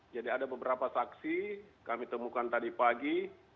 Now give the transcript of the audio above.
jadi ada beberapa saksi kami temukan tadi pagi